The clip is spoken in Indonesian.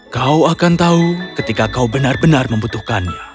kau akan tahu ketika kau benar benar membutuhkannya